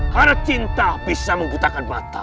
karena cinta bisa menggutakkan mata